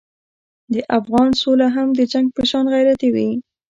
د افغان سوله هم د جنګ په شان غیرتي وي.